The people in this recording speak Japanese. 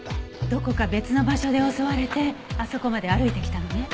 どこか別の場所で襲われてあそこまで歩いてきたのね。